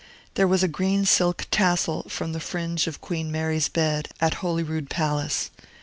There was a green silk tassel from the fringe of Queen Mary's bed at Holyrood Palace.